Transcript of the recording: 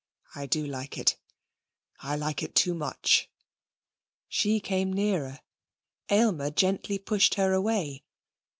'I do like it. I like it too much.' She came nearer. Aylmer gently pushed her away.